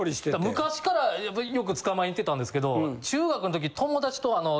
昔からよく捕まえに行ってたんですけど。